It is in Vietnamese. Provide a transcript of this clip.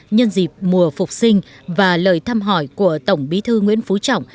nhân dịp mùa phục sinh và lời thăm hỏi của tổng bí thư nguyễn phú trọng